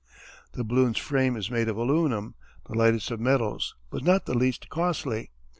The balloon's frame is made of aluminum, the lightest of metals, but not the least costly.